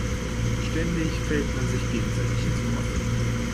Ständig fällt man sich gegenseitig ins Wort.